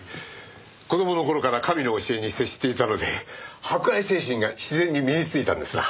子供の頃から神の教えに接していたので博愛精神が自然に身についたんですな。